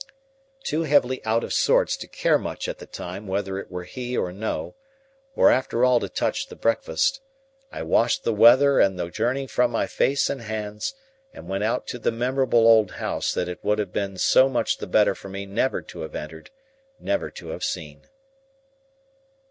Too heavily out of sorts to care much at the time whether it were he or no, or after all to touch the breakfast, I washed the weather and the journey from my face and hands, and went out to the memorable old house that it would have been so much the better for me never to have entered, never to have seen.